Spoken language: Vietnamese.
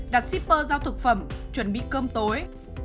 đặt shipper giao thực phẩm chuẩn bị cơm tối